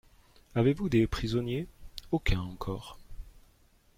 Avez-vous des prisonniers ? Aucun encore.